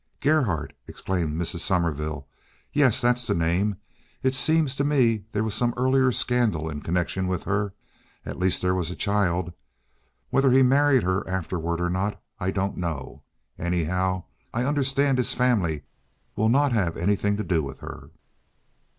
"Gerhardt!" exclaimed Mrs. Sommerville. "Yes, that's the name. It seems to me that there was some earlier scandal in connection with her—at least there was a child. Whether he married her afterward or not, I don't know. Anyhow, I understand his family will not have anything to do with her."